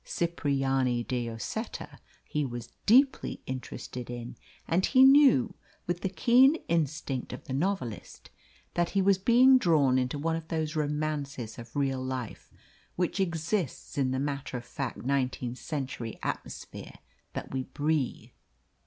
Cipriani de Lloseta he was deeply interested in, and he knew, with the keen instinct of the novelist, that he was being drawn into one of those romances of real life which exists in the matter of fact nineteenth century atmosphere that we breathe.